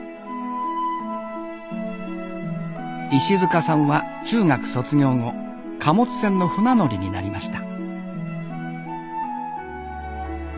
石塚さんは中学卒業後貨物船の船乗りになりました。